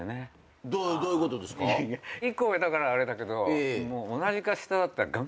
１個上だからあれだけど。